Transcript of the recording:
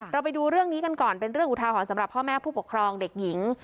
ไปดูเรื่องนี้กันก่อนเป็นเรื่องอุทาหรณ์สำหรับพ่อแม่ผู้ปกครองเด็กหญิง